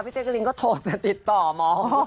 พี่เจ๊กริ้งก็โทรจะติดต่อหมอ